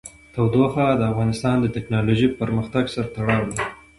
تودوخه د افغانستان د تکنالوژۍ پرمختګ سره تړاو لري.